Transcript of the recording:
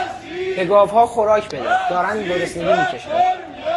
به گاوها خوراک بده، دارند گرسنگی میکشند.